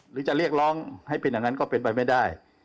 หรือจะเรียกร้องให้เป็นอย่างนั้นก็เป็นไปไม่ได้